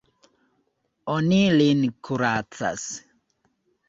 Oni lin kuracas.